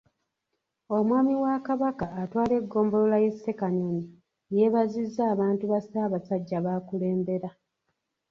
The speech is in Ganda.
Omwami wa Kabaka atwala eggombolola y’e Ssekanyonyi, yeebazizza abantu ba Ssaabasajja b’akulembera.